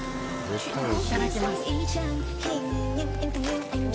いただきます。